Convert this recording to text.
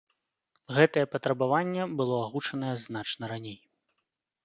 Гэтае патрабаванне было агучанае значна раней.